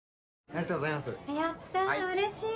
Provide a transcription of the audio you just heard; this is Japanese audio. やったうれしい！